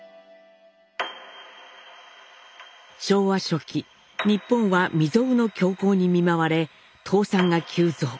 昭和初期日本は未曽有の恐慌に見舞われ倒産が急増。